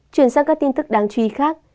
chuyển sang các tin tức đáng chú ý khác